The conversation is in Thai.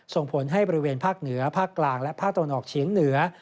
ส่งผลให้บริเวณภาคเหนือภาคกลางและภาคตะวันออกเฉียงเหนือ